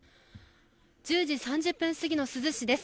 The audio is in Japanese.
１０時３０分すぎの珠洲市です。